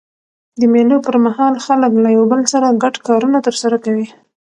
د مېلو پر مهال خلک له یو بل سره ګډ کارونه ترسره کوي.